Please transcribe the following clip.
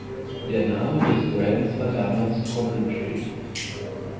Der Name des Grants war damals Coventry.